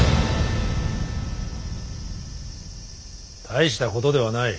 大したことではない。